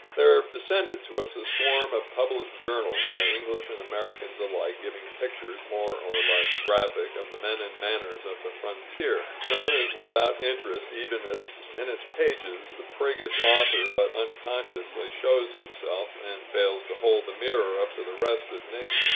There have descended to us a swarm of published journals by English and Americans alike, giving pictures, more or less graphic, of the men and manners of the frontier; none is without interest, even if in its pages the priggish author but unconsciously shows himself, and fails to hold the mirror up to the rest of nature.